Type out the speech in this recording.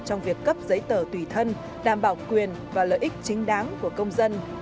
trong việc cấp giấy tờ tùy thân đảm bảo quyền và lợi ích chính đáng của công dân